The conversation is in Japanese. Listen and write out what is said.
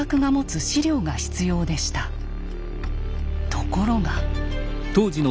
ところが。